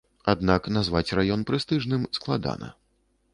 Аднак назваць раён прэстыжным складана.